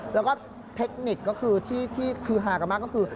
แล้วก็เทคนิคก็คือที่ฮากรมะก็คือ